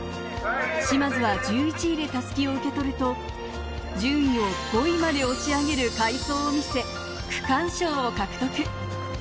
嶋津は１１位で襷を受け取ると、順位を５位まで押し上げる快走を見せて区間賞を獲得。